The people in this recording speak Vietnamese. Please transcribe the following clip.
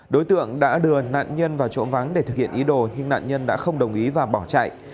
đối tượng đã đưa nạn nhân vào chỗ vắng để thực hiện ý đồ nhưng nạn nhân đã không đồng ý và bỏ chạy